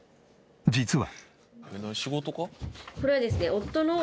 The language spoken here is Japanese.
実は。